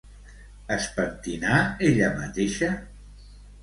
Es pentinà ella mateixa?